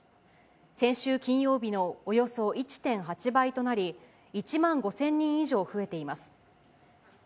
先週金曜日のおよそ１．８倍となり、１万５０００人以上増えています。